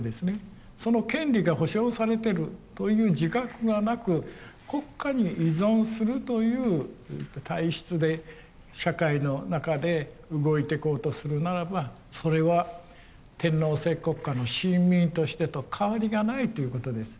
その権利が保障されてるという自覚がなく国家に依存するという体質で社会の中で動いていこうとするならばそれは天皇制国家の臣民としてと変わりがないということです。